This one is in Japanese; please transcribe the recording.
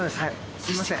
すみません。